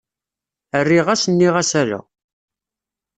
Rriɣ-as,-nniɣ-as ala.